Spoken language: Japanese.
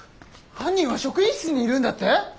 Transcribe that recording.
犯人は職員室にいるんだって！？